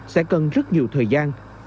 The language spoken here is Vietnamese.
sẽ cần rất nhiều thời gian